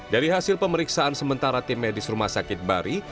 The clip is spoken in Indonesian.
dari hasil pemeriksaan sementara tim medis rumah sakit bari